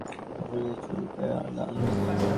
আমার নাক, গাল, থুতনি আর কপালে চুলকায় আর লাল হয়ে যায়।